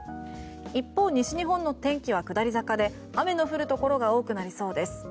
一方、西日本の天気は下り坂で雨の降るところが多くなりそうです。